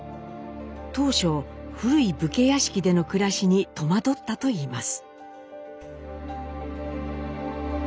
当初古い武家屋敷での暮らしに戸惑ったといいます。